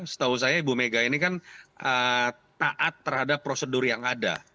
setahu saya ibu mega ini kan taat terhadap prosedur yang ada